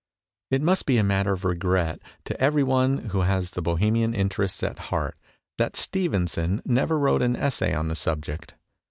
It must be a matter of regret to every one who has the Bohemian interests at heart that Stevenson never wrote an essay on the subject.